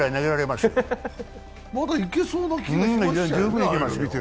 まだいけそうな気がしますよ。